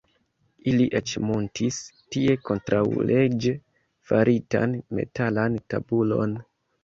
Ili eĉ muntis tie kontraŭleĝe faritan metalan tabulon.